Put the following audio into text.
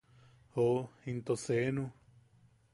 ¡Joo, into seenu!